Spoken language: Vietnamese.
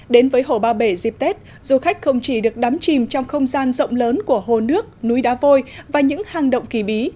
đến với hồ ba bể dịp tết du khách không chỉ được đắm chìm trong không gian rộng lớn của hồ nước núi đá vôi và những hang động kỳ bí